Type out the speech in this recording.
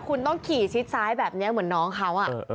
คุณต้องขี่ชิดซ้ายแบบนี้เหมือนน้องเขา